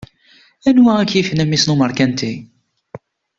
Anwa i k-yifen a mmi-s n umeṛkanti?